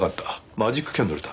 マジックキャンドルだ。